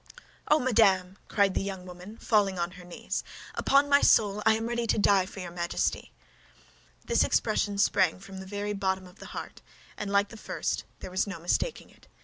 "Oh, madame!" cried the young woman, falling on her knees; "upon my soul, I am ready to die for your Majesty!" This expression sprang from the very bottom of the heart, and, like the first, there was no mistaking it.